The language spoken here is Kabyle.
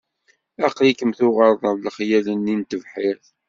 Aql-ikem tuɣaleḍ am lexyal-nni n tebḥirt.